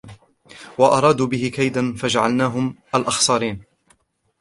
وأرادوا به كيدا فجعلناهم الأخسرين